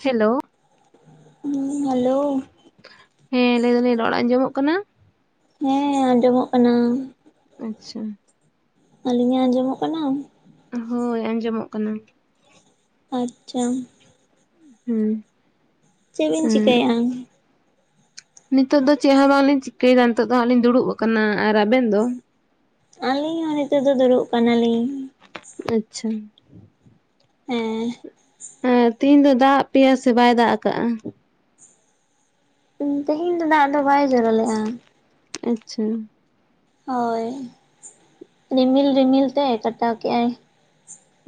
Hello? ᱩᱸ hello! ᱦᱮᱸ ᱞᱟᱹᱭ ᱮᱫᱟ ᱞᱤᱧ ᱨᱚᱲ ᱟᱸᱡᱚᱢᱚᱜ ᱠᱟᱱᱟ? ᱦᱮᱸ ᱟᱸᱡᱚᱢᱚᱜ ᱠᱟᱱᱟ᱾ ᱟᱪᱪᱷᱟ, ᱟᱹᱞᱤᱧᱟᱜ ᱟᱸᱡᱚᱢᱚᱜ ᱠᱟᱱᱟ? ᱦᱳᱭ ᱟᱸᱡᱚᱢᱚᱜ ᱠᱟᱱᱟ᱾ ᱟᱪᱪᱷᱟ, ᱦᱩᱸ ᱪᱮᱫ ᱤᱧ ᱩᱸᱜ ᱪᱤᱠᱟᱭᱟ? ᱱᱤᱛᱚᱜ ᱫᱚ ᱪᱮᱜ ᱦᱚᱸ ᱵᱟᱝ ᱞᱤᱧ ᱪᱤᱠᱟᱹᱭᱮᱫᱟ, ᱱᱤᱛᱚᱜ ᱫᱚ ᱦᱟᱸᱜ ᱞᱤᱧ ᱫᱩᱲᱩᱵ ᱟᱠᱟᱱᱟ ᱟᱨ ᱟᱵᱮᱱ ᱫᱚ? ᱟᱹᱞᱤᱧ ᱦᱚᱸ ᱱᱤᱛᱚᱜ ᱫᱚ ᱫᱩᱲᱩᱵ ᱟᱠᱟᱱᱟᱞᱤᱧ᱾ ᱟᱪᱪᱷᱟ, ᱦᱮᱸ, ᱮᱸ ᱛᱮᱦᱮᱧ ᱫᱚ ᱫᱟᱜ ᱟᱜ ᱯᱮᱭᱟ ᱥᱮ ᱵᱟᱭ ᱫᱟᱜ ᱟᱠᱟᱜᱼᱟ? ᱩᱸ ᱛᱮᱦᱮᱧ ᱫᱚ ᱫᱟᱜ ᱫᱚ ᱵᱟᱭ ᱡᱚᱨᱚ ᱞᱮᱜᱼᱟ ᱾ ᱟᱪᱪᱷᱟ ᱾ ᱦᱳᱭ! ᱨᱤᱢᱤᱞ ᱨᱤᱢᱤᱞ ᱛᱮ ᱠᱟᱴᱟᱣ ᱠᱮᱜᱼᱟᱭ ᱾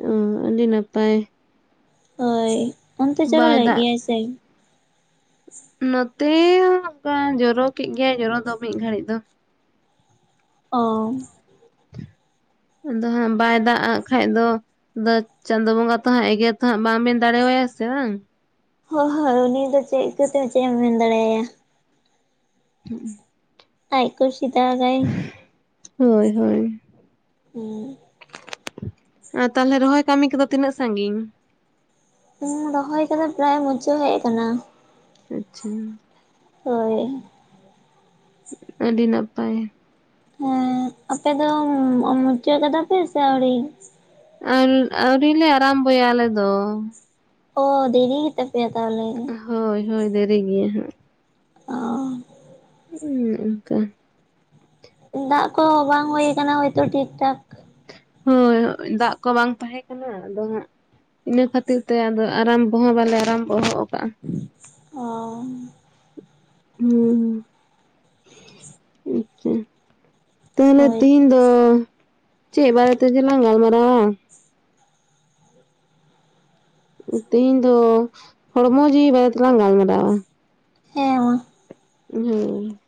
ᱩᱸ ᱟᱹᱰᱤ ᱱᱟᱯᱟᱭ ᱾ ᱦᱳᱭ, ᱚᱱᱛᱮ ᱪᱮᱨᱟ ᱵᱟᱭ ᱞᱟᱭᱮᱜ ᱫᱟᱜ ᱜᱮᱭᱟᱭ ᱥᱮ? ᱱᱚᱛᱮ ᱦᱚᱸ ᱚᱸᱠᱟ ᱡᱚᱨᱚ ᱠᱮᱫ ᱜᱮᱭᱟᱭ ᱡᱚᱨᱚ ᱫᱚ ᱢᱤᱫ ᱜᱷᱟᱹᱲᱤᱜ ᱫᱚ ᱾ ᱚᱦ, ᱫᱚ ᱦᱟᱸᱜ ᱵᱟᱭ ᱫᱟᱜ ᱟᱜ ᱠᱷᱟᱡ ᱫᱚ ᱵᱟᱹᱫᱽ ᱪᱟᱸᱫᱳ ᱵᱚᱸᱜᱟ ᱛᱚ ᱦᱟᱸᱜ ᱮᱜᱮᱨ ᱛᱚ ᱦᱟᱸᱜ ᱵᱟᱢ ᱢᱮᱱ ᱫᱟᱲᱮᱣᱟᱭᱟ ᱥᱮ ᱵᱟᱝ? ᱦᱳ ᱦᱳᱭ ᱩᱱᱤ ᱫᱚ ᱪᱮᱜ ᱤᱠᱟᱹᱛᱮ ᱪᱮᱫ ᱮᱢ ᱢᱮᱱ ᱫᱟᱲᱮ ᱟᱭᱟ ᱾ ᱦᱩᱸᱜ ᱩᱸ ᱾ ᱟᱡ ᱠᱩᱥᱤ ᱫᱟᱜᱽ ᱟᱭ ᱾ [unintelligible] ᱦᱳᱭ ᱦᱳᱭ ᱦᱩᱸ ᱾ ᱟ ᱛᱟᱦᱚᱞᱮ ᱨᱚᱦᱚᱭ ᱠᱟᱹᱢᱤ ᱠᱚᱫᱚ ᱛᱤᱱᱟᱹᱜ ᱥᱟᱺᱜᱤᱧ? ᱤᱧ ᱨᱚᱦᱚᱭ ᱠᱟᱫᱟᱜ ᱯᱟᱨᱟᱭ ᱢᱩᱪᱟᱹᱜ ᱦᱮᱜ ᱠᱟᱱᱟ ᱾ ᱟᱪᱪᱷᱟ ᱾ ᱦᱳᱭ ᱾ [unintelligible] ᱟᱹᱰᱤ ᱱᱟᱯᱟᱭ ᱾ ᱦᱮᱸ ᱟᱯᱮ ᱫᱚ ᱩᱸ ᱢᱩᱪᱟᱹᱫ ᱮᱫᱟ ᱯᱮ ᱥᱮ ᱟᱹᱣᱲᱤ? ᱟᱱ ᱟᱹᱣᱨᱤ ᱞᱮ ᱟᱨᱟᱢᱵᱷᱚᱼᱭᱟ ᱟᱞᱮ ᱫᱚ ᱾ ᱚ ᱫᱮᱨᱤ ᱜᱮ ᱛᱯᱮᱭᱟ ᱛᱟᱦᱚᱞᱮ ᱾ ᱦᱳᱭ ᱦᱳᱭ ᱫᱮᱨᱤ ᱜᱮᱭᱟ ᱦᱟᱸᱜ ᱾ ᱚᱻᱻᱻ ᱩᱸᱜ ᱚᱱᱠᱟ᱾ ᱫᱟᱜ ᱠᱚ ᱵᱟᱝ ᱦᱩᱭ ᱟᱠᱟᱱᱟ ᱦᱚᱳᱭᱛᱳ ᱴᱷᱤᱠ ᱴᱷᱟᱠ ᱾ ᱦᱳᱭ ᱳᱜ ᱫᱟᱜ ᱠᱚ ᱵᱟᱝ ᱛᱟᱦᱮᱸ ᱠᱟᱱᱟ ᱟᱫᱚ ᱦᱟᱸᱜ ᱾ ᱤᱱᱟᱹ ᱠᱷᱟᱹᱛᱤᱨ ᱛᱮ ᱟᱫᱚ ᱟᱨᱟᱢᱵᱦᱚᱸ ᱦᱚᱸ ᱵᱟᱞᱮ ᱟᱨᱟᱢᱵᱦᱚᱜ ᱟᱠᱟᱜᱼᱟ ᱾ ᱚ ᱾ ᱩᱸ ᱦᱩᱸ ᱟᱪᱪᱷᱟ ᱾ ᱛᱟᱦᱞᱮ ᱦᱳᱭ ᱛᱮᱦᱤᱧ ᱫᱚ ᱪᱮᱫ ᱵᱟᱨᱮ ᱛᱮᱪᱮ ᱞᱟᱝ ᱜᱟᱞᱢᱟᱨᱟᱣ-ᱟ ᱾ ᱛᱮᱦᱤᱧ ᱫᱚ ᱦᱚᱲᱢᱚ ᱡᱤᱣᱤ ᱵᱟᱨᱮ ᱛᱮᱞᱟᱝ ᱜᱟᱞᱢᱟᱨᱟᱣ-ᱟ ᱾ ᱦᱮᱸ ᱢᱟ ᱾ ᱩᱸᱦᱩ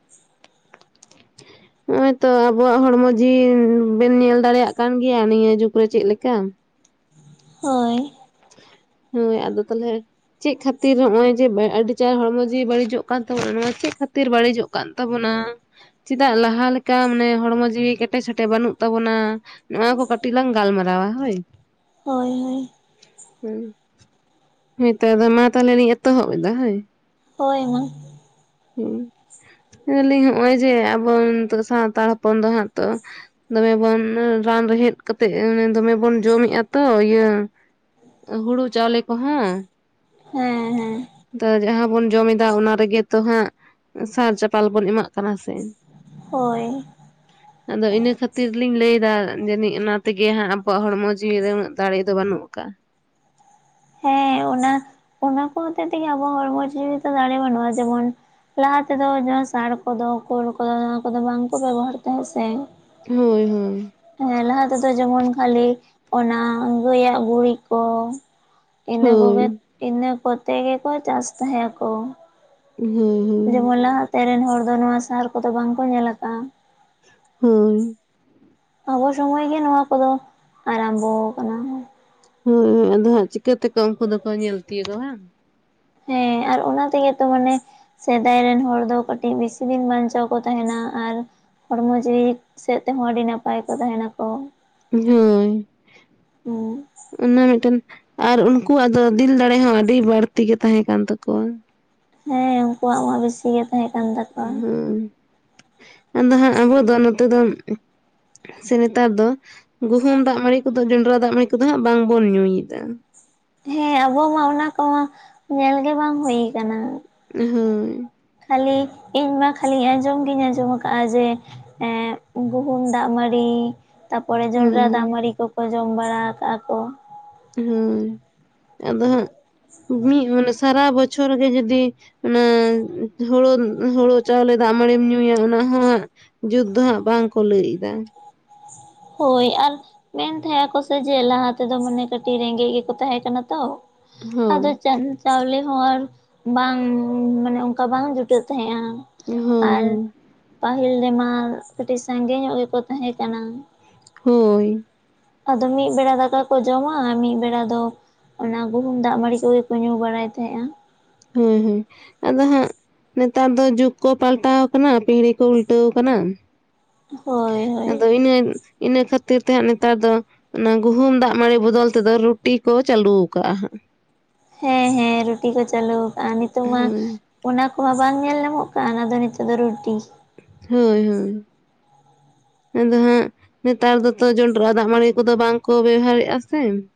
ᱱᱚᱜᱚᱭ ᱛᱚ ᱟᱵᱚᱣᱟᱜ ᱦᱚᱲᱢᱚ ᱡᱤᱣᱤ ᱵᱤᱱ ᱧᱮᱞ ᱫᱟᱲᱮᱭᱟᱜ ᱠᱟᱱ ᱜᱮᱭᱟ ᱱᱤᱭᱟᱹ ᱡᱩᱜᱽ ᱨᱮ ᱪᱮᱫᱞᱠᱟ ᱾ ᱦᱳᱭ ᱾ ᱦᱳᱭ ᱟᱫᱚ ᱛᱟᱦᱚᱞᱮ ᱾ ᱪᱮᱫ ᱠᱷᱟᱹᱛᱤᱨ ᱱᱚᱜᱚᱭ ᱡᱮ ᱟᱹᱰᱤ ᱪᱟᱨ ᱦᱚᱲᱢᱚ ᱡᱤ ᱵᱟᱹᱲᱤᱡᱚᱜ ᱠᱟᱱ ᱛᱟᱵᱚᱱᱟ ᱱᱚᱣᱟ ᱪᱮᱫ ᱠᱷᱟᱹᱛᱤᱨ ᱵᱟᱹᱲᱤᱡᱚᱜ ᱠᱟᱱᱟ? ᱠᱟᱱ ᱛᱟᱵᱚᱱᱟ ᱪᱮᱫᱟᱜ ᱞᱟᱦᱟ ᱞᱮᱠᱟ ᱢᱟᱱᱮ ᱦᱚᱲᱢᱚ ᱡᱤᱣᱤ ᱠᱮᱴᱮᱡ ᱥᱮᱴᱮᱡ ᱵᱟᱹᱱᱩᱜ ᱛᱟᱵᱚᱱᱟ ᱾ ᱱᱚᱣᱟ ᱠᱚ ᱠᱟᱹᱴᱤᱡ ᱞᱟᱝ ᱜᱟᱞᱢᱟᱨᱟᱣᱟ ᱦᱳᱭ? ᱦᱳᱭ ᱦᱳᱭ ᱾ ᱦᱩᱸ ᱦᱮᱛᱚ ᱟᱫᱚ ᱢᱟ ᱛᱟᱦᱚᱞᱮ ᱞᱤᱧ ᱮᱛᱚᱦᱚᱵ ᱮᱫᱟ ᱦᱳᱭ? ᱦᱳᱭ ᱢᱟ ᱾ ᱦᱩᱸ ᱾ ᱞᱟᱹᱭᱞᱤᱧ ᱱᱚᱜᱼᱚᱭ ᱡᱮ ᱟᱵᱚ ᱥᱟᱱᱛᱟᱲ ᱦᱚᱯᱚᱱ ᱫᱚ ᱦᱟᱸᱜ ᱛᱚ ᱾ ᱫᱚᱢᱮ ᱵᱚᱱ ᱨᱟᱱ ᱨᱮᱦᱮᱫ ᱠᱟᱛᱮᱜ ᱫᱚᱢᱮ ᱵᱚᱱ ᱡᱚᱢᱮᱫᱼᱟ ᱛᱚ ᱤᱭᱟᱹ ᱾ ᱦᱩᱲᱩ ᱪᱟᱣᱞᱮ ᱠᱚ ᱦᱚᱸ ᱦᱮᱸ ᱦᱮᱸ ᱛᱚ ᱡᱟᱦᱟᱸ ᱵᱚᱱ ᱡᱚᱢ ᱮᱫᱟ ᱚᱱᱟ ᱾ ᱨᱮᱜᱮ ᱛᱚ ᱦᱟᱸᱜ ᱥᱟᱨ ᱪᱟᱯᱟᱞ ᱵᱚᱱ ᱮᱢᱟᱜ ᱠᱟᱱᱟ ᱥᱮ ᱦᱳᱭ ᱟᱫᱚ ᱤᱱᱟᱹ ᱠᱷᱟᱹᱛᱤᱨ ᱞᱤᱧ ᱞᱟᱹᱭ ᱮᱫᱟ ᱡᱟᱹᱱᱤᱡ ᱚᱱᱟ ᱛᱮᱜᱮ ᱦᱟᱸᱜ ᱟᱵᱚᱣᱟᱜ ᱦᱚᱲᱢᱚ ᱡᱤᱣᱤ ᱨᱮ ᱩᱱᱟᱹᱜ ᱫᱟᱲᱮ ᱫᱚ ᱵᱟᱹᱱᱩᱜ ᱟᱠᱟᱜᱼᱟ ᱾ ᱦᱮᱸ ᱚᱱᱟ ᱚᱱᱟ ᱠᱚ ᱦᱚᱛᱮ ᱛᱮᱜᱮ ᱟᱵᱚ ᱦᱚᱲᱢᱚ ᱡᱤᱣᱤ ᱫᱟᱲᱮ ᱵᱟᱹᱱᱩᱜᱼᱟ ᱡᱮᱢᱚᱱ ᱞᱟᱦᱟ ᱛᱮᱫᱚ ᱡᱟᱦᱟᱸ ᱥᱟᱨ ᱠᱚᱫᱚ ᱠᱳᱞ ᱠᱚᱫᱚ ᱚᱱᱟ ᱠᱚᱫᱚ ᱵᱟᱝ ᱠᱚ ᱵᱮᱵᱚᱦᱟᱨ ᱛᱟᱦᱮᱸᱫ ᱥᱮ ᱦᱳᱭ ᱦᱳᱭ ᱦᱮᱸ ᱞᱟᱦᱟ ᱛᱮᱫᱚ ᱡᱮᱢᱚᱱ ᱠᱷᱟᱹᱞᱤ ᱚᱱᱟ ᱜᱟᱹᱭᱟᱜ ᱜᱩᱨᱤᱜ ᱠᱚ ᱤᱱᱟᱹ ᱦᱳᱭ ᱠᱚᱜᱮᱫ ᱤᱱᱟᱹ ᱠᱚᱛᱮ ᱜᱮᱠᱚ ᱪᱟᱥ ᱛᱟᱦᱮᱸ ᱟᱠᱚ ᱦᱩᱸ ᱦᱩᱸ ᱡᱮᱢᱚᱱ ᱞᱟᱦᱟᱛᱮ ᱨᱮᱱ ᱦᱚᱲ ᱫᱚ ᱱᱚᱣᱟ ᱥᱟᱦᱟᱨ ᱠᱚᱫᱚ ᱵᱟᱝ ᱠᱚ ᱧᱮᱞ ᱟᱠᱟᱟᱜᱼᱟ᱾ ᱦᱳᱭ ᱟᱵᱚ ᱥᱚᱢᱚᱭ ᱜᱮ ᱱᱚᱣᱟ ᱠᱚᱫᱚ ᱟᱨᱟᱢᱵᱚ ᱠᱟᱱᱟ ᱦᱳᱭ ᱦᱳᱭ ᱟᱫᱚ ᱦᱟᱸᱜ ᱪᱤᱠᱟᱹᱛᱮᱠᱚ ᱩᱱᱠᱩ ᱫᱚᱠᱚ ᱧᱮᱞ ᱛᱤᱭᱳᱜᱟ ᱵᱟᱝ ᱦᱮᱸ ᱟᱨ ᱚᱱᱟ ᱛᱮᱜᱮ ᱛᱚ ᱢᱟᱱᱮ ᱥᱮᱫᱟᱭ ᱨᱮᱱ ᱦᱚᱲ ᱫᱚ ᱠᱟᱹᱴᱤᱡ ᱵᱮᱥᱤ ᱫᱤᱱ ᱵᱟᱧᱪᱟᱣ ᱠᱚᱸ ᱛᱟᱦᱮᱱᱟ ᱟᱨ ᱦᱚᱲᱢᱚ ᱡᱤᱣᱤ ᱥᱮᱫ ᱛᱮᱦᱚᱸ ᱟᱹᱰᱤ ᱱᱟᱯᱟᱭ ᱠᱚ ᱛᱟᱦᱮᱱᱟᱠᱚᱸ ᱾ ᱦᱳᱭ ᱦᱩᱸ ᱚᱱᱟ ᱢᱮᱫᱴᱮᱱ ᱟᱨ ᱩᱱᱠᱩᱣᱟᱜ ᱫᱚ ᱫᱤᱞ ᱫᱟᱲᱮ ᱦᱚᱸ ᱟᱹᱰᱤ ᱵᱟᱹᱲᱛᱤ ᱜᱮ ᱛᱟᱦᱮᱸ ᱠᱟᱱ ᱛᱟᱠᱩᱣᱟ᱾ ᱦᱮᱸ ᱩᱱᱠᱩᱣᱟᱜ ᱢᱟ ᱵᱤᱥᱤ ᱜᱮ ᱛᱟᱦᱮᱸ ᱠᱟᱱ ᱛᱟᱠᱚᱣᱟ ᱦᱩᱸ ᱟᱫᱚ ᱦᱟᱸᱜ ᱟᱵᱚ ᱫᱚ ᱱᱚᱛᱮ ᱫᱚ ᱥᱮ ᱱᱮᱛᱟᱨ ᱫᱚ ᱜᱩᱦᱩᱢ ᱫᱟᱜ ᱢᱟᱹᱲᱤ ᱠᱚᱫᱚ ᱡᱚᱱᱰᱨᱟ ᱫᱟᱜ ᱢᱟᱹᱲᱤ ᱠᱚᱫᱚ ᱦᱟᱸᱜ ᱵᱟᱝᱵᱚᱱ ᱧᱩᱭᱮᱫᱟ᱾ ᱦᱮᱸ ᱟᱵᱚ ᱢᱟ ᱚᱱᱟ ᱠᱚᱢᱟ ᱧᱮᱞᱜᱮ ᱵᱟᱝ ᱦᱩᱭ ᱠᱟᱱᱟ, ᱦᱳᱭ ᱠᱷᱟᱹᱞᱤ ᱤᱧᱢᱟ ᱠᱷᱟᱹᱞᱤ ᱟᱸᱡᱚᱢ ᱜᱤᱧ ᱟᱸᱡᱚᱢ ᱠᱟᱜᱼᱟ ᱡᱮ ᱮ ᱜᱩᱦᱩᱢ ᱫᱟᱜ ᱢᱟᱹᱲᱤ ᱛᱟᱯᱚᱨᱮ ᱡᱚᱱᱰᱨᱟ ᱫᱟᱜ ᱦᱳᱭ ᱢᱟᱹᱲᱤ ᱠᱚᱠᱚ ᱡᱚᱢ ᱵᱟᱲᱟ ᱟᱠᱟᱜ ᱟᱠᱚ ᱦᱩᱸ ᱟᱫᱚ ᱦᱟᱸᱜ ᱢᱤᱫ ᱢᱟᱱᱮ ᱥᱟᱨᱟ ᱵᱚᱪᱷᱚᱨ ᱜᱮ ᱡᱩᱫᱤ ᱚᱱᱟ ᱦᱳᱲᱳ ᱦᱳᱲᱳ ᱪᱟᱣᱞᱮ ᱫᱟᱜ ᱢᱟᱹᱲᱤᱢ ᱧᱩᱭᱟ ᱚᱱᱟ ᱦᱚᱸ ᱡᱩᱫ ᱫᱚᱦᱟᱸᱜ ᱵᱟᱝ ᱠᱚᱸ ᱞᱟᱹᱭ ᱫᱟ᱾ ᱦᱳᱭ ᱟᱨ ᱢᱮᱱ ᱛᱟᱦᱮᱸ ᱟᱠᱚ ᱥᱮ ᱡᱮ ᱞᱟᱦᱟ ᱛᱮᱫᱚ ᱢᱟᱱᱮ ᱠᱟᱹᱴᱤᱡ ᱨᱮᱸᱜᱮᱡ ᱜᱮᱠᱚ ᱛᱟᱦᱮᱸ ᱠᱟᱱᱟ ᱛᱚ ᱦᱳᱭ ᱟᱫᱚ ᱪᱟᱸᱫ ᱪᱟᱣᱞᱮ ᱦᱚᱸ ᱟᱨ ᱵᱟᱝ ᱢᱟᱱᱮ ᱚᱱᱠᱟ ᱵᱟᱝ ᱡᱩᱴᱟᱹᱜ ᱛᱟᱦᱮᱸᱜᱼᱟ ᱾ ᱦᱳᱭ ᱦᱳᱭ ᱯᱟᱹᱦᱤᱞ ᱨᱮᱢᱟ ᱠᱟᱹᱴᱤᱡ ᱥᱟᱸᱜᱮ ᱧᱚᱜ ᱜᱮᱠᱚ ᱛᱟᱦᱮᱸ ᱠᱟᱱᱟ, ᱦᱳᱭ ᱟᱫᱚ ᱢᱤᱫ ᱵᱮᱲᱟ ᱫᱟᱠᱟ ᱠᱚᱸ ᱡᱚᱢᱟ ᱟᱨ ᱢᱤᱫ ᱵᱮᱲᱟ ᱫᱚ ᱚᱱᱟ ᱜᱩᱦᱩᱢ ᱫᱟᱜ ᱢᱟᱹᱲᱤ ᱠᱚᱜᱮ ᱠᱚ ᱧᱩ ᱵᱟᱲᱟᱭ ᱛᱟᱦᱮᱸᱜᱼᱟ ᱾ ᱦᱩᱸ ᱦᱩᱸ ᱟᱫᱚ ᱦᱟᱸᱜ ᱱᱮᱛᱟᱨ ᱫᱚ ᱡᱩᱜ ᱠᱚ ᱯᱟᱞᱴᱟᱣ ᱠᱟᱱᱟ ᱯᱤᱦᱲᱤ ᱠᱚ ᱩᱞᱴᱟᱹᱣ ᱠᱟᱱᱟ ᱾ ᱦᱳᱭ ᱦᱳᱭ ᱟᱫᱚ ᱤᱱᱟᱹ ᱤᱱᱟᱹᱠᱷᱟᱹᱛᱤᱨ ᱛᱮᱦᱟᱸᱜ ᱱᱮᱛᱟᱨ ᱫᱚ ᱚᱱᱟ ᱜᱩᱦᱩᱢ ᱫᱟᱜ ᱢᱟᱹᱲᱤ ᱵᱚᱫᱚᱞ ᱛᱮᱫᱚ ᱨᱩᱴᱤ ᱠᱚᱸ ᱪᱟᱹᱞᱩᱣ ᱠᱟᱼᱦᱟᱸᱜ ᱾ ᱦᱮᱸ ᱦᱮᱸ ᱨᱩᱴᱤ ᱠᱚᱸ ᱪᱟᱹᱞᱩᱠᱟᱜ ᱱᱤᱛᱚᱜ ᱢᱟ ᱦᱳᱭ ᱚᱱᱟ ᱠᱚᱢᱟ ᱵᱟᱝ ᱧᱮᱞ ᱧᱟᱢᱚᱜ ᱠᱟᱱ ᱟᱫᱚ ᱱᱤᱛᱚᱜ ᱫᱚ ᱨᱩᱴᱤ ᱾ ᱦᱳᱭ ᱦᱳᱭ ᱟᱫᱚ ᱦᱟᱸᱜ ᱱᱮᱛᱟᱨ ᱫᱚᱛᱚ ᱡᱚᱱᱰᱨᱟ ᱫᱟᱜ ᱢᱟᱹᱲᱤ ᱠᱚᱫᱚᱸ ᱵᱟᱝᱠᱚ ᱵᱮᱣᱦᱟᱨᱮᱫᱼᱟ ᱥᱮ ᱾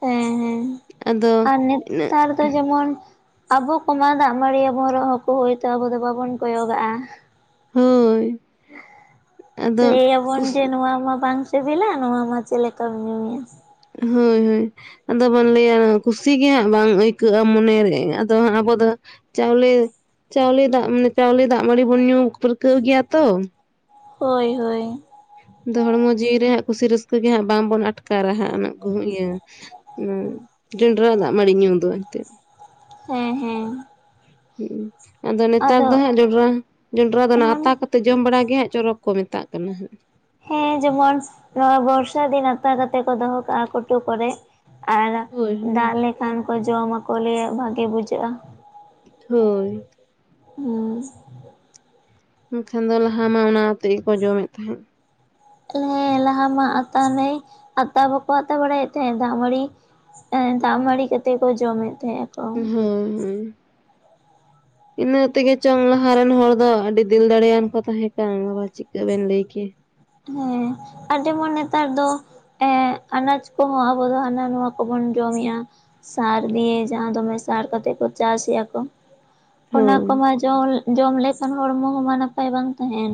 ᱦᱮᱸ ᱦᱮᱸ ᱟᱨ ᱤᱱᱟᱹᱜ ᱱᱮᱛᱟᱨ ᱫᱚ ᱡᱮᱢᱚᱱ ᱟᱵᱚ ᱠᱚᱢᱟ ᱫᱟᱜ ᱢᱟᱹᱲᱤ ᱟᱵᱚᱱ ᱨᱮᱦᱚ ᱠᱚᱸ ᱦᱳᱭᱛᱚ ᱟᱵᱚ ᱫᱚᱸ ᱵᱟᱵᱚᱱ ᱠᱚᱭᱚᱜᱟᱼᱟ ᱾ ᱦᱳᱭ ᱟᱫᱚ ᱞᱟᱹᱭᱟᱵᱚᱱ ᱠᱩᱥ ᱡᱮ ᱱᱚᱣᱟ ᱢᱟ ᱵᱟᱝ ᱥᱤᱵᱤᱞᱟ ᱱᱚᱣᱟ ᱢᱟ ᱪᱮᱫᱞᱮᱠᱟᱢ ᱧᱩᱭᱟ ᱾ ᱦᱳᱭ ᱦᱳᱭ ᱟᱫᱚ ᱵᱚᱱ ᱞᱟᱹᱭᱟ ᱠᱩᱥᱤᱜᱮ ᱦᱟᱸᱜ ᱵᱟᱝ ᱟᱹᱭᱠᱟᱹᱜᱼᱟ ᱢᱚᱱᱮᱨᱮ ᱟᱫᱚᱦᱟᱜ ᱟᱵᱚ ᱫᱚ ᱪᱟᱣᱞᱮ ᱪᱟᱣᱞᱮ ᱫᱟᱜ ᱢᱟᱱᱮ ᱪᱟᱣᱞᱮ ᱫᱟᱜ ᱢᱟᱹᱲᱤ ᱵᱚᱱ ᱧᱩ ᱯᱟᱹᱨᱠᱟᱹᱣ ᱜᱮᱭᱟ ᱛᱳ, ᱦᱳᱭ ᱦᱳᱭ ᱟᱫᱚ ᱦᱚᱲᱢᱚ ᱡᱤᱣᱤ ᱨᱮ ᱦᱟᱸᱜ ᱠᱩᱥᱤ ᱨᱟᱹᱥᱠᱟᱹ ᱜᱮ ᱦᱟᱸᱜ ᱵᱟᱝᱵᱚᱱ ᱟᱴᱠᱟᱨᱟ ᱦᱟᱸᱜ ᱩᱱᱟᱹᱜ ᱜᱩᱦᱩᱢ ᱤᱭᱟᱹ ᱦᱩ ᱡᱚᱱᱰᱨᱟ ᱫᱟᱜ ᱢᱟᱹᱬᱤ ᱧᱩ ᱫᱚ ᱮᱱᱛᱮᱜ, ᱦᱮᱸ ᱦᱮᱸ᱾ ᱦᱩᱸ ᱟᱫᱚ ᱱᱮᱛᱟᱨ ᱫᱚ ᱦᱟᱸᱜ ᱡᱚᱸᱰᱨᱟ ᱡᱚᱸᱰᱨᱟ ᱫᱚ ᱱᱟᱸᱜ ᱦᱮᱸ ᱟᱛᱟ ᱠᱟ ᱛᱚ ᱡᱚᱢ ᱵᱟᱲᱟ ᱜᱮ ᱦᱟᱸᱜ ᱪᱚᱨᱚᱠ ᱠᱚ ᱢᱮᱛᱟᱜ ᱠᱟᱱᱟ ᱦᱟᱸᱜ᱾ ᱦᱮᱸ ᱡᱮᱢᱚᱱ ᱱᱚᱣᱟ ᱵᱚᱨᱥᱟ ᱫᱤᱱ ᱟᱛᱟ ᱠᱟᱛᱮᱜ ᱠᱚ ᱫᱚᱦᱚ ᱠᱟᱜᱼᱟ ᱠᱩᱴᱩ ᱠᱚᱨᱮᱫ᱾ ᱟᱨ ᱦᱳᱭ ᱦᱳᱭ ᱫᱟᱜ ᱞᱮᱠᱷᱟᱱ ᱠᱚ ᱡᱚᱢ ᱟᱠᱚ ᱞᱟᱹᱭᱟ ᱵᱷᱟᱜᱮ ᱵᱩᱡᱷᱟᱹᱜᱼᱟ᱾ ᱦᱳᱭ᱾ ᱦᱮᱸ᱾ ᱮᱱᱠᱷᱟᱱ ᱫᱚ ᱞᱟᱦᱟ ᱢᱟ ᱚᱱᱟᱣ ᱟᱛᱮ ᱜᱮᱠᱚ ᱡᱚᱢᱮᱫ ᱛᱟᱦᱮᱸᱫ᱾ ᱦᱮᱸ ᱞᱟᱦᱟ ᱢᱟ ᱟᱛᱟ ᱱᱟᱹᱭ, ᱟᱛᱟ ᱵᱟᱠᱚ ᱟᱛᱟ ᱵᱟᱲᱟᱭᱮᱫ ᱛᱟᱦᱮᱸᱫ, ᱫᱟᱜ ᱢᱟᱹᱲᱤ ᱮ ᱫᱟᱜ ᱢᱟᱹᱲᱤ ᱠᱟᱛᱮᱜ ᱠᱚ ᱡᱚᱢᱮᱫ ᱛᱟᱦᱮᱸᱫ ᱦᱩᱸᱻ ᱾ [inaudible] ᱤᱱᱟᱹ ᱛᱮᱜᱮ ᱪᱚᱝ ᱞᱟᱦᱟ ᱨᱮᱱ ᱦᱚᱲ ᱫᱚ ᱟᱹᱰᱤ ᱫᱤᱞ ᱫᱟᱲᱮᱭᱟᱱ ᱠᱚ ᱛᱟᱦᱮᱸ ᱠᱟᱱ, ᱵᱟᱵᱟ ᱪᱤᱠᱟᱹ ᱵᱮᱱ ᱞᱟᱹᱭ ᱠᱮᱭᱟ? ᱦᱮᱸ ᱟᱨ ᱡᱮᱢᱚᱱ ᱱᱮᱛᱟᱨ ᱫᱚ ᱮ ᱟᱱᱟᱡᱽ ᱠᱚᱦᱚᱸ ᱟᱵᱚ ᱫᱚ ᱦᱟᱱᱟ ᱱᱚᱣᱟ ᱠᱚ ᱵᱚᱱ ᱡᱚᱢᱮᱜᱼᱟ᱾ ᱥᱟᱨ ᱫᱤᱭᱮ ᱡᱟᱦᱟᱸ ᱫᱚ ᱢᱮᱥᱟ ᱠᱟᱛᱮᱜ ᱠᱚ ᱪᱟᱥ ᱮᱼᱟᱠᱚ᱾ ᱚᱱᱟ ᱦᱳᱭ ᱠᱚᱢᱟ ᱡᱚᱢ, ᱡᱚᱢ ᱞᱮᱠᱷᱟᱱ ᱦᱚᱲᱢᱚ ᱦᱚᱸᱢᱟ ᱱᱟᱯᱟᱭ ᱵᱟᱝ ᱛᱟᱦᱮᱱ᱾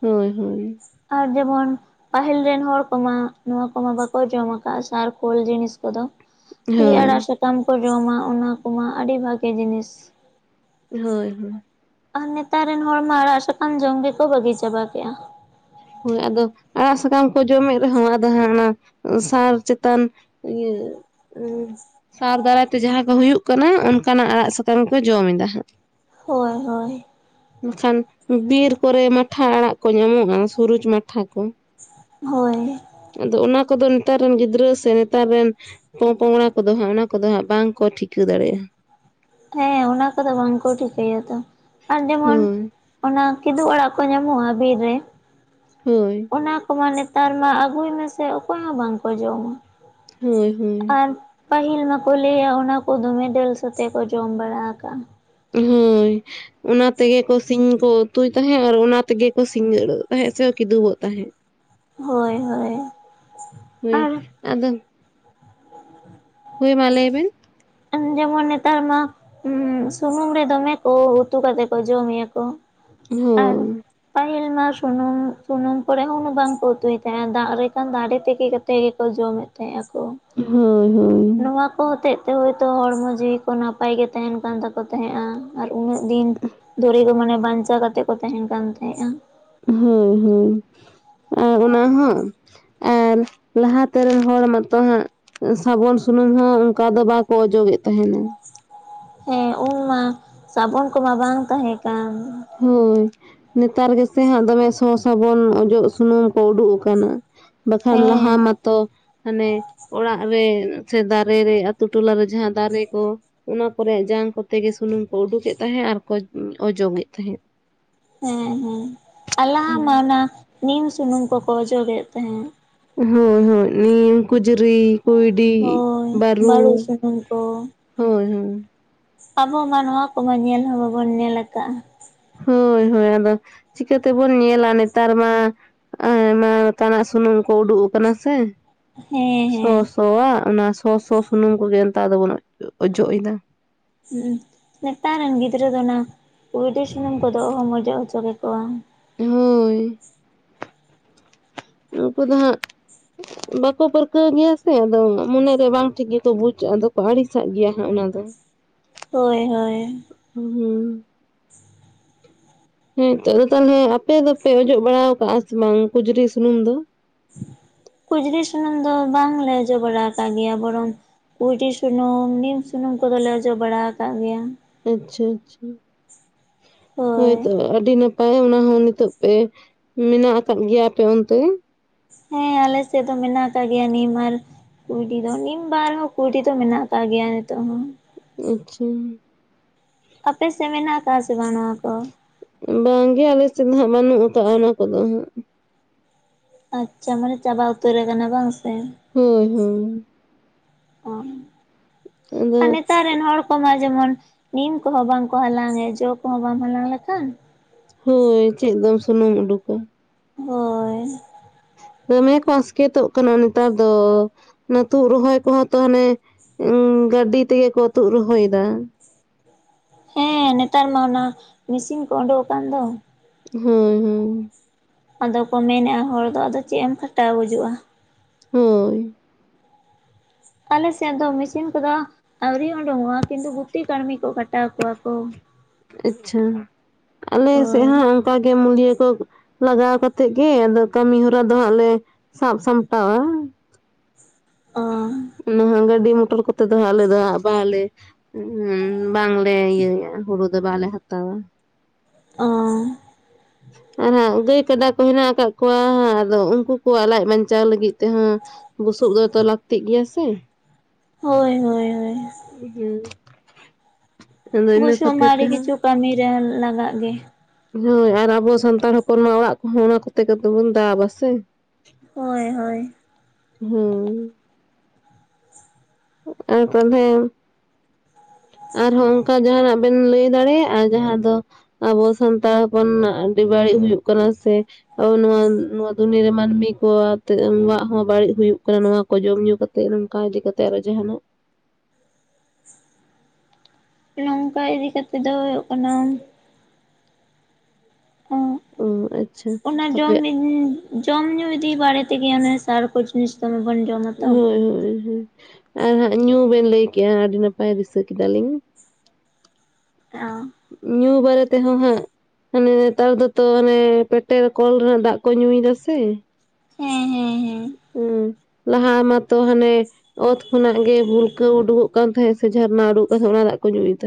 ᱦᱳᱭ ᱦᱳᱭ᱾ ᱟᱨ ᱡᱮᱢᱚᱱ ᱯᱟᱹᱦᱤᱞ ᱨᱮᱱ ᱦᱚᱲ ᱠᱚᱢᱟ ᱱᱚᱣᱟ ᱠᱚᱢᱟ ᱵᱟᱠᱚ ᱡᱚᱢ ᱟᱠᱟᱜ-ᱟ ᱥᱟᱨ ᱠᱳᱞ ᱡᱤᱱᱤᱥ ᱠᱚᱫᱚ᱾ ᱠᱷᱟᱹᱞᱤ ᱦᱳᱭ ᱟᱲᱟᱜ ᱥᱟᱠᱟᱢ ᱠᱚ ᱡᱚᱢᱟ ᱚᱱᱟ ᱠᱚᱢᱟ ᱟᱹᱰᱤ ᱵᱷᱟᱜᱮ ᱡᱤᱱᱤᱥ᱾ ᱦᱳᱭ ᱦᱳᱭ᱾ ᱟᱨ ᱱᱮᱛᱟᱨ ᱨᱮᱱ ᱦᱚᱲᱢᱟ ᱟᱲᱟᱜ ᱥᱟᱠᱟᱢ ᱡᱚᱢ ᱜᱮᱠᱚ ᱵᱟᱹᱜᱤ ᱪᱟᱵᱟ ᱠᱮᱜᱼᱟ᱾ ᱦᱳᱭ ᱟᱫᱚ, ᱟᱲᱟᱜ ᱥᱟᱠᱟᱢ ᱠᱚ ᱡᱚᱢᱮᱜ ᱨᱮᱦᱚᱸ ᱟᱫᱚ ᱦᱟᱸᱜ ᱚᱱᱟ ᱥᱟᱨ ᱪᱮᱛᱟᱱ ᱤᱭᱟᱹ ᱩᱸ ᱥᱟᱨ ᱫᱟᱨᱟᱭ ᱛᱮ ᱡᱟᱦᱟᱸ ᱠᱚ ᱦᱩᱭᱩᱜ ᱠᱟᱱᱟ, ᱚᱱᱠᱟᱱᱟᱜ ᱟᱲᱟᱜ ᱥᱟᱠᱟᱢ ᱜᱮ ᱠᱚ ᱡᱚᱢ ᱮᱫᱟ ᱦᱟᱸᱜ ᱦᱳᱭ ᱦᱳᱭ᱾ ᱮᱱᱠᱷᱟᱱ ᱵᱤᱨ ᱠᱚᱨᱮ ᱢᱟᱴᱷᱟ ᱟᱲᱟᱜ ᱠᱚ ᱧᱟᱢᱚᱜᱼᱟ, ᱥᱩᱨᱡᱽ ᱢᱟᱴᱷᱟ ᱠᱚ᱾ ᱦᱳᱭ᱾ ᱟᱫᱚ ᱚᱱᱟ ᱠᱚᱫᱚ ᱱᱮᱛᱟᱨ ᱨᱮᱱ ᱜᱤᱫᱽᱨᱟᱹ ᱥᱮ ᱱᱮᱛᱟᱨ ᱨᱮᱱ ᱯᱚ ᱯᱚᱝᱲᱟ ᱠᱚᱫᱚ ᱦᱟᱸᱜ ᱚᱱᱟ ᱠᱚᱫᱚ ᱦᱟᱸᱜ ᱵᱟᱝ ᱠᱚ ᱴᱷᱤᱠᱟᱹ ᱫᱟᱲᱮᱭᱟᱜᱼᱟ᱾ ᱦᱮᱸ ᱚᱱᱟ ᱠᱚᱫᱚ ᱵᱟᱝᱠᱚ ᱴᱷᱤᱠᱟᱹᱭᱟᱛᱚ, ᱟᱨ ᱡᱮᱢᱚᱱ ᱦᱳᱭ ᱚᱱᱟ ᱠᱤᱫᱩᱜ ᱟᱲᱟᱜ ᱠᱚ ᱧᱟᱢᱚᱜᱼᱟ ᱵᱤᱨ ᱨᱮ, ᱦᱳᱭ᱾ ᱚᱱᱟ ᱠᱚᱢᱟ ᱱᱮᱛᱟᱨ ᱢᱟ ᱟᱹᱜᱩᱭ ᱢᱮᱥᱮ ᱚᱠᱚᱭ ᱦᱚᱸ ᱵᱟᱝᱠᱚ ᱡᱚᱢᱟ᱾ ᱦᱳᱭ ᱦᱳᱭ ᱟᱨ ᱯᱟᱹᱦᱤᱞ ᱢᱟᱠᱚ ᱞᱟᱹᱭᱟ ᱚᱱᱟ ᱠᱚ ᱫᱚᱢᱮ ᱫᱟᱹᱞ ᱥᱟᱛᱮ ᱠᱚ ᱡᱚᱢ ᱵᱟᱲᱟ ᱟᱠᱟᱜᱼᱟ᱾ ᱦᱳᱭ [inaudible] ᱚᱱᱟ ᱛᱮᱜᱮ ᱠᱚ ᱥᱤᱧ ᱠᱚ ᱩᱛᱩᱭ ᱛᱟᱦᱮᱸᱜ ᱟᱨ ᱚᱱᱟ ᱛᱮᱜᱮ ᱠᱚ ᱥᱤᱸᱜᱟᱹᱲᱚᱜ ᱛᱟᱦᱮᱸᱜ ᱥᱮᱠᱚ ᱠᱤᱫᱩᱵᱚᱜ ᱛᱟᱦᱮᱸᱫ᱾ ᱦᱳᱭ ᱦᱳᱭ᱾ ᱦᱳᱭ ᱟᱨ ᱟᱫᱚ ᱦᱳᱭ ᱢᱟ ᱞᱟᱹᱭ ᱵᱮᱱ? ᱮᱱ ᱡᱮᱢᱚᱱ ᱱᱮᱛᱟᱨ ᱢᱟ ᱥᱩᱱᱩᱢ ᱨᱮ ᱫᱚᱢᱮ ᱠᱚ ᱩᱛᱩ ᱠᱟᱛᱮ ᱠᱚ ᱡᱚᱢᱮᱜ ᱟᱠᱚ᱾ ᱟᱨ, ᱦᱳᱭ ᱯᱟᱹᱦᱤᱞ ᱢᱟ ᱥᱩᱱᱩᱢ ᱥᱩᱱᱩᱢ ᱠᱚᱨᱮ ᱦᱚᱸ ᱩᱱᱟᱹᱜ ᱵᱟᱝᱠᱚ ᱩᱛᱩᱭᱮ ᱛᱟᱦᱮᱸᱱ, ᱫᱟᱜ ᱨᱮ ᱠᱷᱟᱱ ᱫᱟᱜ ᱨᱮ ᱛᱤᱠᱤ ᱠᱟᱛᱮᱜ ᱛᱮᱜᱮᱠᱚ ᱡᱚᱢᱮᱫ ᱛᱟᱦᱮᱸᱜ ᱟᱠᱚ᱾ ᱦᱳᱭ ᱦᱳᱭ᱾ ᱱᱚᱣᱟ ᱠᱚ ᱦᱚᱛᱮᱫ ᱛᱮ ᱦᱳᱭ ᱛᱚ ᱦᱚᱲᱢᱚ ᱡᱤᱣᱤ ᱠᱚ ᱱᱟᱯᱟᱭ ᱜᱮ ᱛᱟᱦᱮᱱ ᱠᱟᱱ ᱛᱟᱠᱚ ᱛᱟᱦᱮᱸᱟ, ᱟᱨ ᱩᱱᱟᱹᱜ ᱫᱤᱱ ᱫᱷᱚᱨᱮ ᱫᱚ ᱢᱟᱱᱮ ᱵᱟᱧᱪᱟᱣ ᱠᱟᱛᱮᱜ ᱠᱚ ᱛᱟᱦᱮᱸᱱ ᱠᱟᱱ ᱛᱟᱦᱮᱸᱜᱼᱟ ᱾ ᱦᱩᱸ ᱦᱩᱸ ᱟᱨ ᱚᱱᱟ ᱦᱚᱸ ᱟᱨ ᱞᱟᱦᱟᱛᱮᱱ ᱨᱮᱱ ᱦᱚᱲ ᱢᱟᱛᱚ ᱦᱟᱸᱜ ᱥᱟᱵᱚᱱ ᱥᱩᱱᱩᱢ ᱦᱚᱸ ᱚᱱᱠᱟ ᱫᱚ ᱵᱟᱠᱚ ᱚᱡᱚᱜᱮᱫ ᱛᱟᱦᱮᱸᱱᱟ ᱦᱮᱸ ᱩᱱᱢᱟ ᱥᱟᱵᱚᱱ ᱠᱚᱢᱟ ᱵᱟᱝ ᱛᱟᱦᱮᱸ ᱠᱟᱱ᱾ ᱦᱚᱭ ᱱᱮᱛᱟᱨ ᱜᱮᱥᱮ ᱦᱟᱸᱜ ᱫᱚᱢᱮ ᱥᱚ ᱥᱟᱵᱚᱱ ᱚᱡᱚᱜ ᱥᱩᱱᱩᱢ ᱠᱚ ᱩᱰᱩᱠ ᱟᱠᱟᱱᱟ ᱵᱟᱠᱷᱟᱱ ᱦᱮᱸ ᱞᱟᱦᱟ ᱢᱟᱛᱚ ᱦᱟᱱᱮ ᱚᱲᱟᱜ ᱨᱮ ᱥᱮ ᱫᱟᱨᱮ ᱨᱮ ᱟᱹᱛᱩ ᱴᱚᱞᱟ ᱨᱮ ᱡᱟᱦᱟᱸ ᱫᱟᱨᱮ ᱠᱚ ᱚᱱᱟ ᱠᱚᱨᱮ ᱡᱟᱝ ᱠᱚᱛᱮ ᱜᱮ ᱥᱩᱱᱩᱢ ᱠᱚ ᱩᱰᱩᱠᱮᱫ ᱛᱟᱦᱮᱸᱜ ᱟᱨᱠᱚ ᱚᱡᱚᱜᱮᱫ ᱛᱟᱦᱮᱸᱫ ᱾ ᱦᱮᱸ ᱦᱮᱸ ᱟᱨ ᱞᱟᱦᱟ ᱢᱟ ᱚᱱᱟ ᱱᱤᱢ ᱥᱩᱱᱩᱢ ᱠᱚᱠᱚ ᱚᱡᱚᱜᱮᱫ ᱛᱟᱦᱮᱸᱫ ᱾ ᱦᱩᱸ ᱦᱩᱸ ᱱᱤᱢ ᱠᱩᱡᱽᱨᱤ, ᱠᱩᱭᱰᱤ, ᱦᱳᱭ ᱵᱟᱹᱨᱩ ᱥᱩᱱᱩᱢ ᱠᱚ ᱦᱳᱭ ᱦᱳᱭ ᱾ ᱟᱵᱚ ᱢᱟ ᱱᱚᱣᱟ ᱠᱚᱢᱟ ᱧᱮᱞ ᱦᱚᱸ ᱵᱟᱵᱚᱱ ᱧᱮᱞ ᱟᱠᱟᱜᱼᱟ ᱾ ᱦᱚᱭ ᱦᱚᱭ ᱟᱫᱚ ᱪᱤᱠᱟᱹ ᱛᱮᱵᱚᱱ ᱧᱮᱞᱟ ᱱᱮᱛᱟᱨ ᱢᱟ ᱟᱭᱢᱟ ᱛᱟᱱᱟᱜ ᱥᱩᱱᱩᱢ ᱠᱚ ᱩᱰᱩᱠ ᱟᱠᱟᱱᱟ ᱥᱮ ᱦᱮᱸ ᱥᱚ ᱦᱮᱸ ᱥᱚᱣᱟᱜ ᱚᱱᱟ ᱥᱚ ᱥᱚ ᱥᱩᱱᱩᱢ ᱠᱚᱜᱮ ᱱᱮᱛᱟᱨ ᱫᱚᱵᱚᱱ ᱚᱡᱚᱜ ᱮᱫᱟ ᱾ ᱦᱩᱸ ᱩ ᱱᱮᱛᱟᱨ ᱨᱮᱱ ᱜᱤᱫᱽᱨᱟᱹ ᱫᱚ ᱚᱱᱟ ᱠᱩᱭᱰᱤ ᱥᱩᱱᱩᱢ ᱠᱚᱫᱚ ᱚᱦᱚᱢ ᱚᱡᱚᱜ ᱦᱚᱪᱚ ᱠᱮᱠᱚᱣᱟ ᱾ ᱦᱳᱭᱻ ᱱᱩᱠᱩ ᱫᱚ ᱦᱟᱸᱜ ᱵᱟᱠᱚ ᱯᱟᱹᱨᱠᱟᱹᱣ ᱜᱮᱭᱟ ᱥᱮ ᱟᱫᱚ ᱢᱚᱱᱮ ᱨᱮ ᱵᱟᱝ ᱴᱷᱤᱠ ᱜᱮᱠᱚ ᱵᱩᱡ ᱟᱫᱚ ᱠᱚ ᱟᱹᱲᱤᱥᱟᱜ ᱜᱮᱭᱟ ᱦᱟᱸᱜ ᱚᱱᱟ ᱫᱚ ᱾ ᱦᱳᱭ ᱦᱳᱭ ᱾ ᱦᱩᱸ ᱻ ᱦᱮᱸᱛᱚ ᱟᱫᱚ ᱛᱟᱦᱟᱞᱮ ᱟᱯᱮ ᱫᱚᱯᱮ ᱚᱡᱚᱜ ᱵᱟᱲᱟ ᱟᱠᱟᱜᱼᱟ ᱥᱮ ᱵᱟᱝ ᱠᱩᱡᱽᱨᱤ ᱥᱩᱱᱩᱢ ᱫᱚ? ᱠᱩᱡᱽᱨᱤ ᱥᱩᱱᱩᱢ ᱫᱚ ᱵᱟᱝ ᱞᱮ ᱚᱡᱚᱜ ᱵᱟᱲᱟ ᱟᱠᱟᱜ ᱜᱮᱭᱟ ᱵᱚᱨᱚᱝ ᱠᱩᱭᱰᱤ ᱥᱩᱱᱩᱢ ᱱᱤᱢ ᱥᱩᱱᱩᱢ ᱠᱚᱫᱚ ᱞᱮ ᱚᱡᱚᱜ ᱵᱟᱲᱟ ᱟᱠᱟᱜ ᱜᱮᱭᱟ ᱾ ᱟᱪᱪᱷᱟ ᱟᱪᱪᱷᱟ ᱦᱚᱭ ᱦᱳᱭ ᱛᱚᱵᱮ ᱟᱹᱰᱤ ᱱᱟᱯ ᱯᱟᱭ ᱚᱱᱟ ᱦᱚᱸ ᱱᱤᱛᱚᱜ ᱯᱮ ᱢᱮᱱᱟᱜ ᱟᱠᱟᱫ ᱜᱮᱭᱟ ᱟᱯᱮ ᱚᱱᱛᱮ ᱾ ᱦᱮᱸ ᱟᱞᱮ ᱥᱮᱫ ᱫᱚ ᱢᱮᱱᱟᱜ ᱟᱠᱟᱜ ᱜᱮᱭᱟ ᱱᱤᱢ ᱟᱨ ᱠᱩᱭᱰᱤ ᱫᱚ ᱱᱤᱢ ᱵᱟᱝ ᱨᱮᱦᱚᱸ ᱠᱩᱭᱰᱤ ᱫᱚ ᱢᱮᱱᱟᱜ ᱟᱠᱟᱜ ᱜᱮᱭᱟ ᱱᱤᱛᱚᱜ ᱦᱚᱸ ᱾ ᱟᱪᱪᱷᱟ ᱾ ᱟᱯᱮᱥᱮᱫ ᱢᱮᱱᱟᱜ ᱟᱠᱟᱜᱼᱟ ᱥᱮ ᱵᱟᱝ ᱱᱚᱣᱟ ᱠᱚ? ᱵᱟᱝ ᱜᱮ ᱟᱞᱮ ᱥᱮᱫ ᱫᱚ ᱦᱟᱸᱜ ᱵᱟᱹᱱᱩᱜ ᱟᱠᱟᱜᱼᱟ ᱚᱱᱟ ᱠᱚᱫᱚ ᱦᱟᱸᱜ ᱾ ᱟᱪᱪᱷᱟ ᱢᱟᱱᱮ ᱪᱟᱵᱟ ᱩᱛᱟᱹᱨ ᱟᱠᱟᱱᱟ ᱵᱟᱝ ᱥᱮ? ᱦᱚᱭ ᱦᱚᱭ ᱚ ᱟᱫᱚ ᱚᱱᱟ ᱡᱮᱢᱚᱱ ᱱᱤᱢ ᱠᱚᱦᱚᱸ ᱵᱟᱝ ᱠᱚ ᱦᱟᱞᱟᱝ ᱮᱫ ᱡᱚᱸ ᱠᱚᱦᱚᱸ ᱵᱟᱢ ᱦᱟᱞᱟᱝ ᱞᱮᱠᱷᱟᱱ ᱦᱚᱭ ᱪᱮᱫ ᱫᱚᱢ ᱥᱩᱱᱩᱢ ᱩᱰᱩᱠᱟ ᱾ ᱦᱚᱭ ᱾ ᱫᱚᱢᱮ ᱠᱚ ᱟᱥᱠᱮᱛᱚᱜ ᱠᱟᱱᱟ ᱱᱮᱛᱟᱨ ᱫᱚ ᱚᱱᱟ ᱛᱩᱫ ᱨᱚᱦᱚᱭ ᱠᱚᱦᱚᱸ ᱛᱚ ᱦᱟᱱᱮ ᱩᱸᱻ ᱜᱟᱹᱰᱤ ᱛᱮᱜᱮ ᱠᱚ ᱛᱩᱜ ᱨᱚᱦᱚᱭ ᱫᱟ ᱾ ᱦᱮᱸ ᱱᱮᱛᱟᱨ ᱢᱟ ᱚᱱᱟ ᱢᱤᱥᱤᱱ ᱠᱚ ᱚᱰᱚᱠ ᱟᱠᱟᱱ ᱫᱚ ᱾ ᱦᱩᱸ ᱦᱩᱸ ᱾ ᱟᱫᱚ ᱠᱚ ᱢᱮᱱᱮᱜᱼᱟ ᱦᱚᱲ ᱫᱚ ᱟᱫᱚ ᱪᱮᱫ ᱮᱢ ᱠᱷᱟᱴᱟᱣ ᱜᱩᱡᱩᱜᱼᱟ ᱾ ᱦᱚᱭ ᱾ ᱟᱞᱮᱥᱮᱫ ᱫᱚ ᱢᱤᱥᱤᱱ ᱠᱚᱫᱚ ᱟᱹᱣᱨᱤ ᱚᱸᱰᱚᱠᱚᱜᱼᱟ ᱠᱤᱱᱛᱩ ᱜᱩᱛᱤ ᱠᱟᱹᱲᱢᱤ ᱠᱚ ᱠᱷᱟᱴᱟᱣ ᱠᱚᱣᱟ ᱠᱚ ᱾ ᱟᱪᱪᱷᱟ ᱟᱞᱮ ᱥᱮᱫ ᱦᱳᱭ ᱦᱚᱸ ᱚᱱᱠᱟ ᱜᱮ ᱢᱩᱞᱭᱟᱹ ᱠᱚ ᱞᱟᱜᱟᱣ ᱠᱟᱛᱮᱫ ᱜᱮ ᱟᱫᱚ ᱠᱟᱹᱢᱤ ᱦᱚᱨᱟ ᱫᱚ ᱦᱟᱸᱜ ᱞᱮ ᱥᱟᱵ ᱥᱟᱢᱴᱟᱣᱟ ᱾ ᱚᱻ ᱚᱱᱟ ᱦᱟᱸᱜ ᱜᱟᱹᱰᱤ ᱢᱚᱴᱚᱨ ᱠᱚᱛᱮ ᱫᱚ ᱟᱞᱮ ᱫᱚ ᱦᱟᱸᱜ ᱵᱟᱞᱮ ᱦᱚᱸ ᱵᱟᱝ ᱞᱮ ᱤᱭᱟᱹᱭᱟ ᱦᱩᱲᱩ ᱫᱚ ᱵᱟᱞᱮ ᱦᱟᱛᱟᱣᱟ ᱚᱸᱻ ᱟᱨ ᱦᱟᱸᱜ ᱜᱟᱹᱭ ᱠᱟᱰᱟ ᱠᱚ ᱦᱮᱱᱟᱜ ᱟᱠᱟᱫ ᱠᱚᱣᱟ ᱟᱫᱚ ᱩᱱᱠᱩ ᱠᱚᱣᱟᱜ ᱞᱟᱡ ᱵᱟᱧᱪᱟᱣ ᱞᱟᱹᱜᱤᱫ ᱛᱮ ᱦᱚᱸ ᱵᱩᱥᱩᱵ ᱫᱚᱛᱚ ᱞᱟᱹᱠᱛᱤᱜ ᱜᱮᱭᱟ ᱥᱮ ᱦᱳᱭ ᱦᱳᱭ ᱦᱳᱭᱼᱼ ᱦᱮᱸ ᱟᱫᱚ ᱤᱱᱟᱹ ᱵᱩᱥᱩᱵ ᱢᱟ ᱠᱷᱟᱹᱛᱤᱨ ᱛᱮ ᱟᱹᱰᱤ ᱦᱚᱸ ᱠᱤᱪᱷᱩ ᱠᱟᱹᱢᱤ ᱨᱮ ᱞᱟᱜᱟᱜ ᱜᱮᱼᱼ ᱦᱳᱭ ᱟᱨ ᱟᱵᱚ ᱥᱟᱱᱛᱟᱲ ᱦᱚᱯᱚᱱ ᱢᱟ ᱚᱲᱟᱜ ᱠᱚ ᱦᱚᱸ ᱚᱱᱟ ᱠᱚᱛᱮ ᱵᱚᱱ ᱫᱟᱵᱟ ᱥᱮᱼᱼ ᱦᱳᱭ ᱦᱳᱭ ᱦᱚᱸ ᱟᱨ ᱛᱟᱦᱚᱞᱮᱼᱼ ᱟᱨᱦᱚᱸ ᱚᱱᱠᱟ ᱡᱟᱦᱟᱱᱟᱜ ᱵᱮᱱ ᱞᱟᱹᱭ ᱫᱟᱲᱮᱭᱟᱜᱼᱟ ᱡᱟᱦᱟᱸ ᱫᱚ ᱟᱵᱚ ᱥᱟᱱᱛᱟᱲ ᱦᱚᱯᱚᱱᱟᱜ ᱟᱹᱰᱤ ᱵᱟᱹᱲᱤᱡ ᱦᱩᱭᱩᱜ ᱠᱟᱱᱟ ᱥᱮ ᱟᱵᱚ ᱱᱚᱣᱟ ᱱᱚᱣᱟ ᱫᱩᱱᱤᱭᱟᱹ ᱨᱮ ᱢᱟᱹᱱᱢᱤ ᱠᱚ ᱟᱛᱮ ᱦᱚᱸ ᱵᱟᱹᱲᱤᱡ ᱦᱩᱭᱩᱜ ᱠᱟᱱᱟ ᱱᱚᱣᱟ ᱠᱚ ᱡᱚᱢ ᱧᱩ ᱠᱟᱛᱮ ᱥᱮ ᱱᱚᱝᱠᱟ ᱤᱫᱤ ᱠᱟᱛᱮ ᱟᱨᱦᱚᱸ ᱡᱟᱦᱟᱱᱟᱜᱼᱼ ᱱᱚᱝᱠᱟ ᱤᱫᱤ ᱠᱟᱛᱮᱫ ᱫᱚ ᱦᱩᱭᱩᱜ ᱠᱟᱱᱟ ᱦᱩᱸ ᱟᱪᱪᱷᱟ ᱚᱱᱟ ᱡᱚᱢ ᱟᱯᱮᱭᱟᱜ [unintelligible] ᱡᱚᱢ ᱧᱩ ᱤᱫᱤ ᱵᱟᱨᱮ ᱛᱮᱜᱮ ᱚᱱᱮ ᱥᱟᱨ ᱠᱚ ᱱᱤᱥᱛᱚᱢ ᱵᱚᱱ ᱡᱚᱢᱟ ᱛᱚᱼᱼ ᱦᱚᱭ ᱦᱚᱭ ᱟᱨ ᱦᱟᱸᱜ ᱧᱩ ᱵᱮᱱ ᱞᱟᱹᱭ ᱠᱮᱜᱼᱟ ᱟᱹᱰᱤ ᱱᱟᱯᱟᱭ ᱫᱤᱥᱟᱹ ᱠᱮᱫᱟᱞᱤᱧ ᱚᱸ ᱧᱩ ᱵᱟᱨᱮ ᱛᱮᱦᱚᱸ ᱦᱟᱸᱜ ᱦᱟᱱᱮ ᱱᱮᱛᱟᱨ ᱫᱚ ᱛᱚ ᱚᱱᱮ ᱯᱮᱴᱮᱨ ᱠᱚᱞ ᱨᱮᱱᱟᱜ ᱫᱟᱜ ᱠᱚ ᱧᱩᱭ ᱫᱟ ᱥᱮ ᱦᱮᱸ ᱦᱮᱸ ᱦᱮᱸ ᱚᱸ ᱞᱟᱦᱟ ᱢᱟᱛᱚ ᱦᱟᱱᱮ ᱚᱛ ᱠᱷᱚᱱᱟᱜ ᱜᱮ ᱵᱷᱩᱞᱠᱟᱹᱣ ᱩᱰᱩᱠᱚᱜ ᱠᱟᱱ ᱛᱟᱦᱮᱸᱜ ᱥᱮ ᱡᱷᱟᱨᱱᱟᱜ ᱩᱰᱩᱠ ᱠᱟᱱ ᱛᱟᱦᱮᱸᱜ ᱚᱱᱟ ᱫᱟᱜ ᱠᱚ ᱧᱩ ᱮᱫᱟ